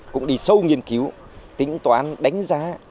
cũng đi sâu nghiên cứu tính toán đánh giá